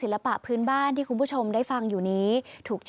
ลูกพ่อห่วงทุกคน